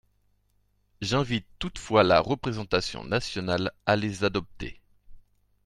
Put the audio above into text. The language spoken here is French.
J’invite toutefois la représentation nationale à les adopter.